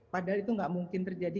padahal itu nggak mungkin terjadi